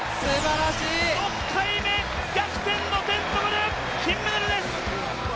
６回目、逆転のテントグル、金メダルです！